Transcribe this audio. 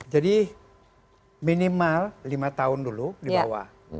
jadi minimal lima tahun dulu dibawah